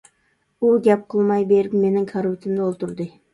ئۇ گەپ قىلماي بېرىپ مېنىڭ كارىۋىتىمدا ئولتۇردى.